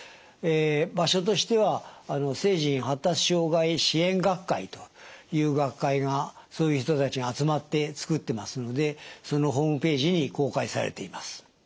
場所としては成人発達障害支援学会という学会がそういう人たちが集まって作ってますのでそのホームページに公開されています。